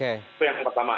itu yang pertama